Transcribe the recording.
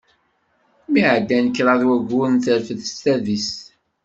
Mi ɛeddan kraḍ waguren terfed tadist.